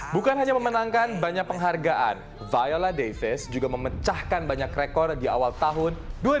bukan hanya memenangkan banyak penghargaan viola davis juga memecahkan banyak rekor di awal tahun dua ribu dua puluh